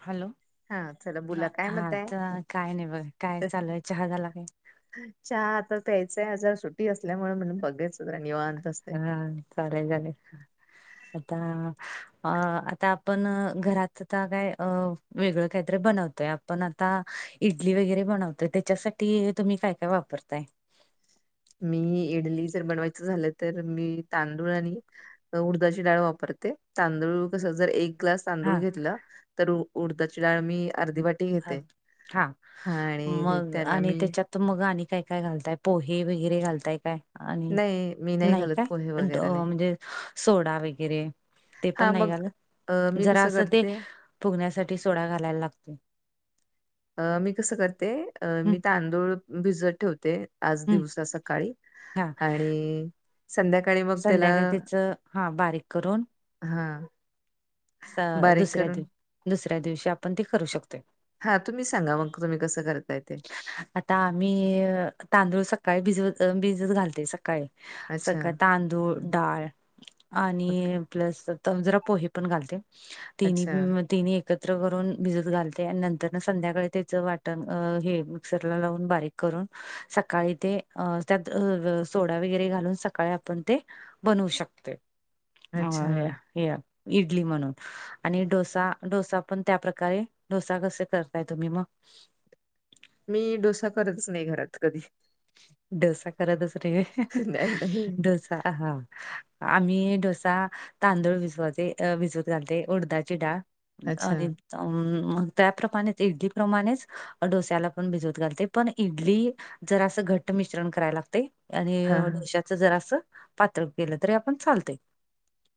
Hello! हा चला हा बोला काय मत आहे. आता काय नाही, बघा काय चालू हाय चहा झाला काय? चहा आता प्यायचं आजा सुट्टी असल्यामुळे म्हणून बघायचं निवांत असते. हा चालेल चालेल आता अ आता आपण घरात आता काय अ वेगळं काहीतरी बनवतोय आप पण आता इडली वगैरे बनवतोय त्याच्यासाठी तुम्ही काय काय वापरताय? मी इडली जर बनवायचं झालं तर मी तांदूळ आणि उडदाची डाळ वापरते तांदूळ कसं जर एक ग्लास तांदूळ हा घेतलं तर उडदाची डाळ मी अर्धी वाटी हा घेते. हा आणि त्याला मी त मग आणि काय काय घालताय पोहे वगैरे घालताय काय? आणि नाही मी नाही घालत काय पोहे वगैरे नाही म्हणजे सोडा वगैरे ते पण हा नाही मग अ घालत मी जरा कसं असं ते करते फुगण्यासाठी सोडा घालायला लागतो अ मी कसं करते. मी तांदूळ भिजत ठेवते आज हं, दिवसा सकाळी हां. आणि संध्याकाळी मग त्याला संध्याकाळी त्याचं हां, बारीक करून हा दुसऱ्या दिव दुसऱ्या दिवशी आपण ते करू शकतोय हा तुम्हीच सांगा मग तुम्ही कसं करताय ते? आता आम्ही तांदूळ सकाळी भिजवत भिजत घालते सकाळी अच्छा. सकाळ तांदूळ हं, डाळ ओके. आणि प्लस त जरा पोहे पण घालते तिन्ही अच्छा, तिन्ही एकत्र करून भिजत घालते आणि नंतर न संध्याकाळी त्याचं वाटण हे मिक्सरला लावून बारीक करून सकाळी ते त्यात सोडा वगैरे घालून सका काय आपण ते बनवू शकतोय अच्छा. अ हे इडली म्हणून आणि डोसा डोसा पण त्या प्रकारे डोसा कसे करताय तुम्ही म? मी डोसा करतच नाही घरात कधी डोसा करतच नाही होय नाही, नाही. डोसा हा‌ आम्ही डोसा, तांदूळ भिजवाते भिजवत घालते उडदाची डाळ अच्छा. आणि अं त्याप्रमाणेच इडली प्रमाणेच डोस्याला पण भिजवत घालते पण इडली जरासं घट्ट मिश्रण कराय लागतय आणि हां, हां. डोश्यात जरासं पातळ केलं तरी आपण चालतय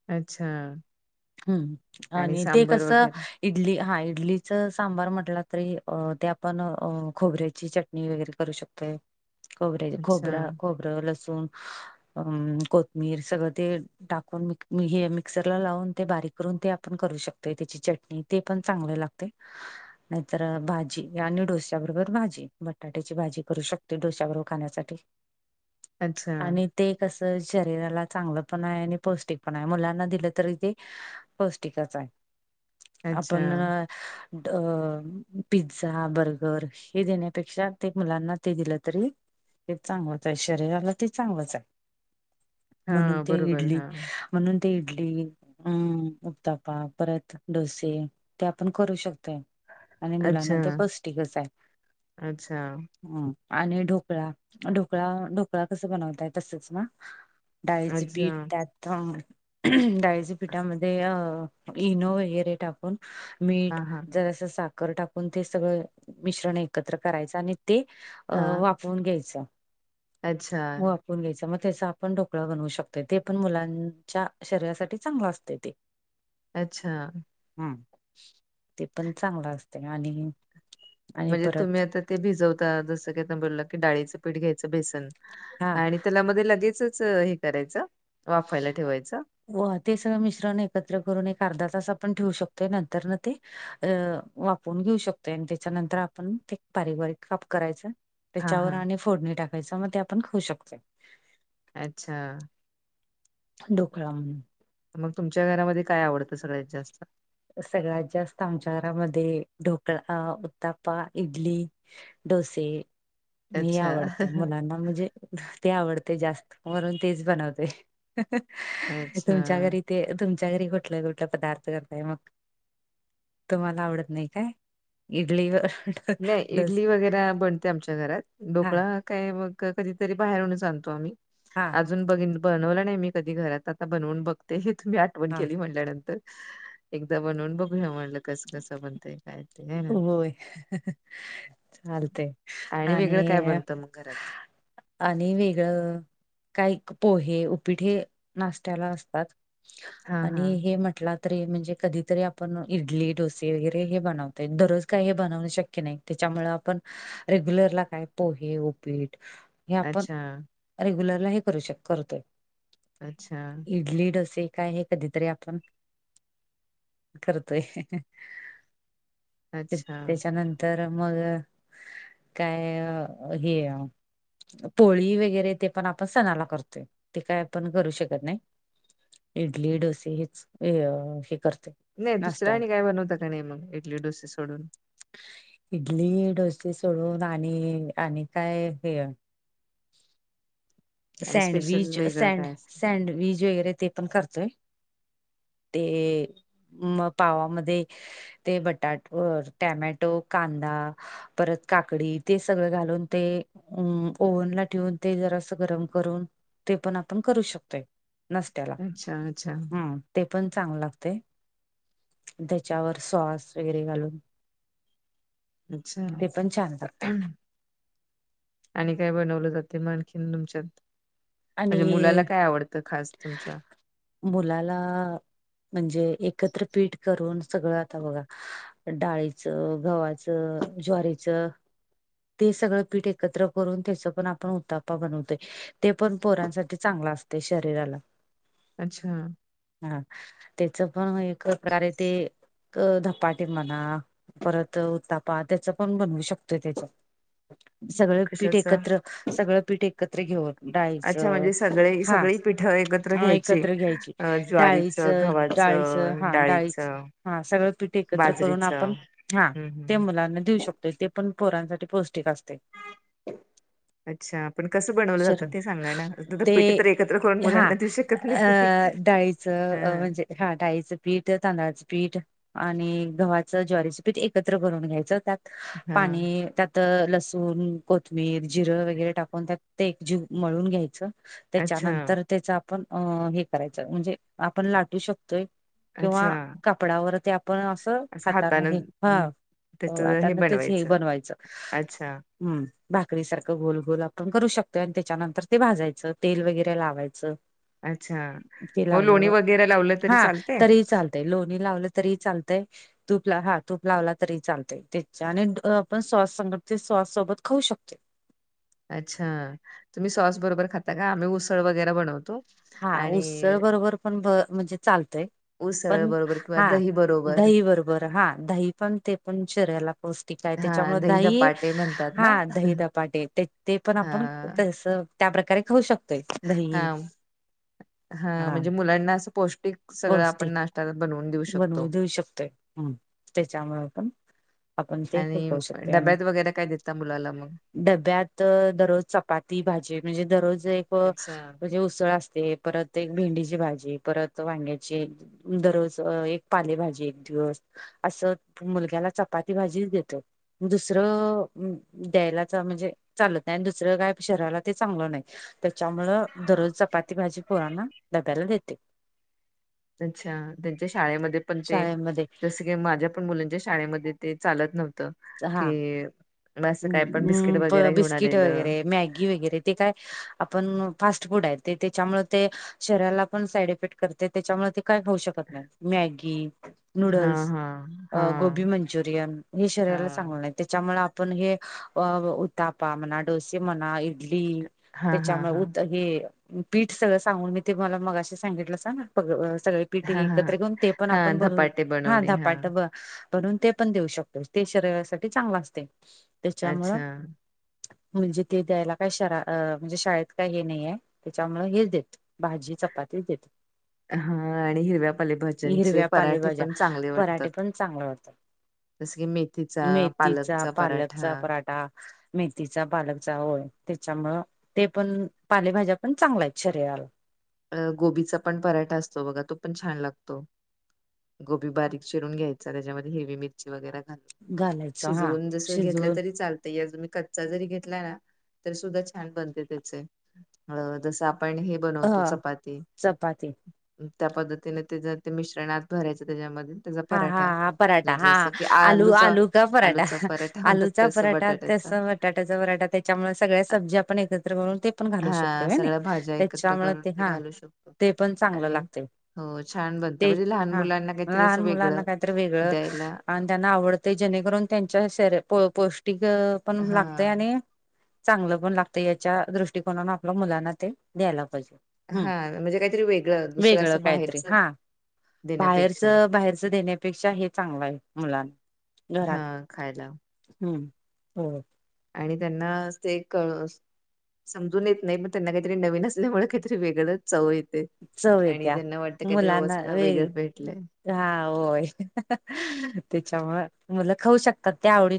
अच्छा हम्म आणि ते सांबर कसं वगैरे. इडली हा इडलीचं सांबार म्हटला तरी ते आपण खोबऱ्याची चट टणी वगैरे करू शकतोय खोबरं अच्छा, खोबर खोबरं लसूण अ कोथमीर सगळं ते टाकून म हे मिक्सरला लावून ते बारीक करून ते आपण करू शकतोय त्याची चटणी ते पण चांगल लागते. नाहीतर भाजी आणि डोस्या बरोबर भाजी बटाट्याची भाजी करू शक तोय डोश्याबरोबर खाण्यासाठी अच्छा, आणि ते कसं शरीराला चांगलं पण आहे आणि पौष्टिक पण आहे मुलांना दिलं तरी ते पौष्टिकच आहे अच्छा. आपण पिझ्झा बर्गर हे देण्यापेक्षा ते मुलांना ते दिलं तरी ते चांगलंच आहे शरीराला ते चांगलंच आहे. म्हणून हां, ते बरोबर. इडली हां. म्हणून ते इडली हम्म उक्तापा परत डोसे ते आपण करू शकतोय. आणि अच्छा, मुलांना ते पौष्टिकच आहे. अच्छा, ह आणि ढोकळा ढोकळा ढोकळा कस बनवताय तसच ना. डाळीच अच्छा. पीठ त्यात डाळीच्या पीठामध्ये अ इनो वगैरे टाक न मीठ हां, हां. जरास सा टाकून ते सगळं मिश्रण एकत्र करायचं आणि ते अ हां. वाफऊन घ्यायचं. अच्छा वाफऊन घ्यायच मग त्याचा आपण ढोकळा बनवू शकतो ते पण मुलांच्या शरीरासाठी चांगलं असते ते. [inaudible] अच्छा हम् ते पण चांगलं असते आणि आणि म्हणजे परत तुम्ही आता ते भिजवता जसं की आ बोलला क डाळीचं पीठ घ्यायचं बेसन हा आणि त्याला मध्ये लगेचच हे करायचं वाफायला ठेवायचं व ते सगळं मिश्रण एकत्र करून एक अर्धा तास आपण ठेवू शकतोय नंतर ना ते अ वापरून घेऊ शकतोय आणि त्याच्यानंतर आपण ते बारीक बारीक काप करायचं. हां, त्याच्यावर हां. आणि फोडणी टाकायच मग ते आपण खाऊ शकतोय. अच्छा ढोकळा मग तुमच्या घरामध्ये काय आवडतं सगळ्यात जास्त. सगळ्यात जास्त आमच्या घरामध्ये ढोकळा, उत्तापा, इडली. डोसे हे अच्छा. आवडतं मुलांना म्हणजे ते आवडते जास्त वरून तेच बनवते अच्छा. तुमच्या घरी ते तुमच्या घरी कुठले कुठले पदार्थ करताय मग तुम्हाला आवडत नाही काय इडली व नाही इडली वगैरे बनते आमच्या घरात हा डोकळा काय कधीतरी बाहेरूनच आणतो आम्ही हा अजून ब बनवला नाही मी कधी घरात आता बनवून बघते हे तुम्ही आठवण हा केली म्हणल्यानंतर एकदा बनवून बघूया म्हणलं कस कसं बनतय काय ते, है ना? होय चालते वेगळं काय आणि बनतं मग घरात? आणि वेगळं काही पोहे उपीठे नाशत्याला असतात हा हा. आणि हे म्हटलं तरी म्हणजे कधीतरी आपण इडली डोसे वगैरे हे बनवतो दररोज काही हे बनवण शक्य नाही त्याच्या मुळे आपण रेग्युलरला काय पोहे ओपीट हे आपण अच्छा, रेग्युलरला हे करू शक करतोय अच्छा इडली डोसे काय हे कधीतरी आपण करतोय अच्छा. त्याच्यानंतर मग काय हे पोळी वगैरे ते पण आपण सणाला करतोय ते काय आपण करू शकत नाही इडली डोसे हेच हे करते नाही दुसऱ्या आणि नाश्त्याला काय बनवता का नाही मग इडली डोसे सोडून इडली डोसे सोडून आणि आणि काय हे आणि स्पेशल सँडविच वेगळं सड काय असतं? सँडविच वगैरे ते पण करतोय. ते म पावामध्ये ते बटाट टॉमॅटो कांदा परत काकडी ते सगळ घालून ते ओव्हनला ठेवून ते जरा अस गरम करून ते पण आपण करू शकतोय नसत्याला अच्छा, अच्छा, हम ते पण चांग लागते. त्याच्यावर सॉस वगैरे घालून. अच्छा ते पण छान लागतय आणि काय बनवलं जाते आणखीन तुमच्यात म्हणजे आणि मुलाला काय आवडतं खास तुमच्या मुलाला म्हणजे एकत्र पीठ करून सगळं आता बघा. डाळीचं गव्हाचं ज्वारीच ते सगळं पीठ एकत्र करून त्याच पण आपण उतपा बनवतोय ते पण पोरांसाठी चांगला असते शरीराला अच्छा हा त्याच पण एक प्रकारे ते धपाटे म्हणा. परत तापा त्याच पण बनवू शकतोय त्याच सगळं पीठ कशाचं? एकत्र सगळं पीठ एकत्र घेऊन. डाळीच अच्छा म्हणजे सगळे हा सगळी पिठं एकत्र घ्यायची. एकत्र घ्यायची अ डाळी ज्वारीचं, डाळीचं गव्हाचं, हा डाळीच डाळीचं, हा सगळं पीठ एकत्र करून आपण बाजरीचं. हा हम्म ते हम्म. मुलांना देऊ शकतो ते पण पोरांसाठी पौष्टिक असते. अच्छा पण कसं बनवलं शरीर जातं ते सांगा ना ते पीठ तर एकत्र करून हा मुलांना देऊ शकत नाही. अ हां म्हणजे हा डाळीचं पीठ तांदळाचं पीठ आणि गव्हाचं ज्वारीचं पीठ एकत्र करून घ्यायचं त्यात हां पाणी त्यात लसूण कोथबिर जिरं वगैरे टाकून त्यात ते एक जीव मळून घ्यायचं अच्छा त्याच्यानंतर त्याच आपण हे करायचं म्हणजे आपण लाटू शकतोय किंवा अच्छा का? पडावर आपण हात असं हातानं हे हा अं, आताना तेच हे बनवायचं. अच्छा हम् भाकरी सारखं गोलघोल आपण करू शकतो. आणि त्याच्यानंतर ते भाजायचं तेल वगैरे लावायचं. अच्छा ते मग लोणी लावल्यावर वगैरे लावलं तरी हा चालते. तरी चालतय लोणी लावलं तरी चालतंय. तूप ला हा तूप लावला तरी चालतय त्याचच्या आणि आपण सॉस सग ते सॉस सोबत खाऊ शकते. अच्छा तुम्ही सॉस बरोबर खाता का आम्ही उसळ वगैरे बनवतो. हा उत्सळ आणि बरोबर पण म्हणजे चालतय. उसळ पण बरोबर किंवा हा दही बरोबर दही बरोबर हा दही पण ते पण चेिऱ्याला पोहोचत. ठीकय त्याच्यामुळे हां दही धपाटे म्हणतात ना हा दही दपाटे त्या ते पण आपण हां तसं. त्या प्र्रकारे खाऊ शकतोय दही हा म्हणजे मुलांना असं पौष्टिक सगळं पौष्टिक आपण नाश््या बनवून देऊ शकतो. बनवू देऊ शकते. तचाामा व आपण ते हे आणि करू शकतोय आणि डब्यात वगैरे काय देतता मुलाला मग डब्यात दररोज चपाती भाजी म्हणजे दररोज एक अच्छा. म्हणजे उसळ अस. परत एक भेंडीची भाजी परत वांग्याची दररोज एक पालेभाजी एक दिवस असं मुलग्याला चपाती भाजी देतं. दुसरं द्यालाचा म्हणजे चालत नाही आणि दुसरं काय शहराला ते चांगलं नाही त्याच्यामुळ दररोज चपाती भाजी पोरांना डब्याला देते अच्छा त्यांच्या शाळेमध्ये पण ते शाळेमध्ये जस माझ्या पण मुलांच्या शाळेमध्ये ते चालत नव्हतं हा की मग असं काय पण वगैरे घेऊन बिस्किट आलेलं वगैरे मॅगी वगैरे ते काय आपण फास्ट फूड आहे ते त्याच्यामुळे ते शरीला पण साईड इफेक्ट करते त्याच्यामुळे नाही मूड हा हा हा. म हा. त्याच्यामुळे आपण हे त म्ह डो म्ह ली हा हा त्याच्यामुळे हा उत हे पीठ सगळं सांगून मी ते मला मगाशी सांगितलं स ना सगळे हा हा पिठी हा एकत्र घेऊन ते पण हा आपण बोल धपाटे हा बनवणे धापाट ब म्हणून ते पण देऊ शकत ते शरीरासाठी चांगला असते त्याच्यामुळं अच्छा म्हणजे ते द्यायला काय शरा म्हणजे शाळेत काय हे नाही आहे त्याच्यामु हेच देत भाजी चपाती देते हा आणि हिरव्या पालेभाज्यांचे हिरव्या पराठे पालेभाज्या पण चांगले वाटतात. पराठे पण चांगले होतात जसं की मेथी मेथीचा पालकचा पराठा मेथीचा पालकचा होय त्याच्यामुळ ते पण पालेभाज्या पण चांगल्याय शरीराला अ गोबीचा पण पराठा असतो बघा तो पण छान लागतो गोबी बारीक चिरून घ्यायचा त्याच्यामध्ये हेवी मिरची वगैरे घालू घालायचं हा शिजवून जस घेतलं शिजवून तरी चालत याजु मी कच्चा जरी घेतला ना तरी सुद्धा छान बनते त्याच जस आपण हे बन ह त चपाती चपाती त्या पद्धतीने ते ज ते मिश्रणात भरायच त्याच्यामध्ये त्याचा हा हा पराठा हा पराठा हा जसं की आलू आलूचा आलू का पराठा आलूचा पराठा म्हणतात आलूचा तसं पराठा तस बटाट्याचा वाट बटाटाचा वराटा त्याच्यामुळे सगळ्या सब्जी आपण एकत्र बनून ते पण घालू हा शकतो सगळ्या भाज्या एकत्र त्याच्यामुळे करून ते हा घालू शकतो ते पण चांगलं आणि लागत हो छान बनत म्हणजे लहान मुलांना काहीतरी अस वेग काते वेळ ना आवड जेणेकरून त्यांच्या श पौष्टिक पण लागते हा आणि चांगलं पण लागतं याच्या दृष्टीकोनान आपल्या मुलांना ते द्यायला पाहिजे ह हां, म्हणजे काहीतरी वेगळं दुसरं वेगळं असं काहीतरी बाहेरचं हा बाहेरच देण्यापेक्षा. बाहेर देण्यापेक्षा हे चांगलं आहे मुलांना घरात हां, खायला हम्म हो आणि त्यांना ते क समजून येत नाही पण त्यांना काहीतरी नवीन असल्यामुळे काहीतरी वेगळंच चव येते चव आणि येत्या त्यांना वाटतं काहीतरी मुलांना वस्थेला वे वेगळं भेटलंय हा होय त्याच्यामु म्हल खाऊ शकतात ते आवडी